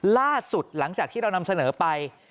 ล่าสุดหลังจากที่เรานำเสนอไป